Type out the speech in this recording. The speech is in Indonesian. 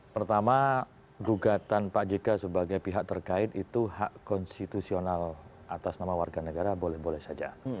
pertama gugatan pak jk sebagai pihak terkait itu hak konstitusional atas nama warga negara boleh boleh saja